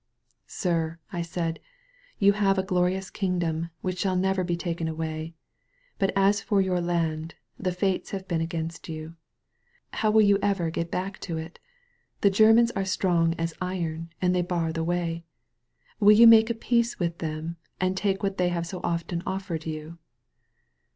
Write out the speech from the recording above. Sir/' I said» '^ou have a glorious kingdom which shall never be taken away. But as for your land» the fates have been against you. How will you ever get back to it? The Germans are strong as iron and they bar the way. Will you make a peace with them and take what th^ have so often oflferedyou?